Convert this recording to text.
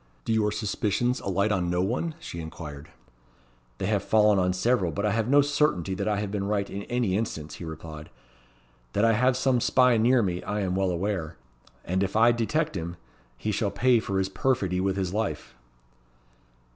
"Do your suspicions alight on no one?" she inquired. "They have fallen on several; but I have no certainty that I have been right in any instance," he replied. "That I have some spy near me, I am well aware; and if I detect him, he shall pay for his perfidy with his life."